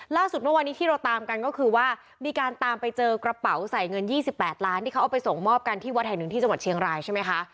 เมื่อวันนี้ที่เราตามกันก็คือว่ามีการตามไปเจอกระเป๋าใส่เงิน๒๘ล้านที่เขาเอาไปส่งมอบกันที่วัดแห่งหนึ่งที่จังหวัดเชียงรายใช่ไหมคะ